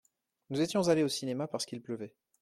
Nous étions allés au cinéma parce qu’il pleuvait.